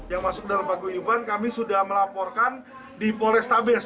yang masuk dalam paguyuban kami sudah melaporkan di polrestabes